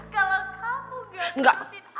kalau kamu gak ngerti